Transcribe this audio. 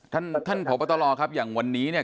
ท่านผงปะตะลอครับอย่างวันนี้เนี่ย